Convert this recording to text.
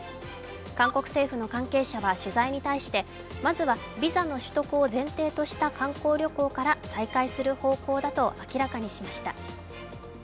韓国政府の関係者は取材に対してまずはビザの取得を前提とした観光旅行から再開する方向だと明らかにしました。